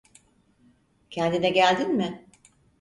Kendine geldin mi?